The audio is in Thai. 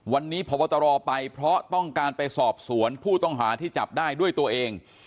วันนี้พบตรไปเพราะต้องการไปสอบสวนผู้ต้องหาที่จับได้ด้วยตัวเอง